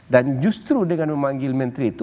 dan justru dengan memanggil mentri itu